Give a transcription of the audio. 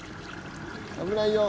危ないよ。